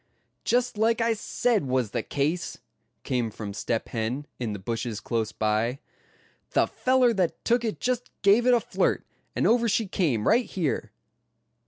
"Just like I said was the case," came from Step Hen, in the bushes close by. "The feller that took it just gave it a flirt, and over she came, right here.